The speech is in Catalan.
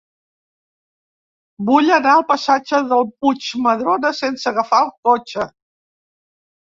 Vull anar al passatge del Puig Madrona sense agafar el cotxe.